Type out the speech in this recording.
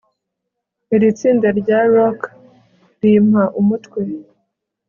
Iri tsinda rya rock rimpa umutwe